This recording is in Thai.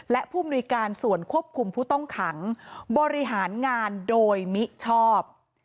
และผู้มนุยการส่วนควบคุมผู้ต้องขังบริหารงานโดยมิชอบ